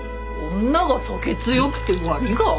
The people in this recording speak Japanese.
女が酒強くて悪りが？